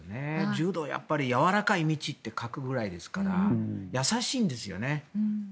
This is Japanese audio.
柔道、やっぱり柔らかい道って書くくらいですから優しいんですよね。